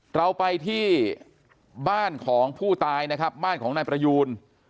เราไปที่บ้านของผู้ตายนะครับบ้านของนายประยูน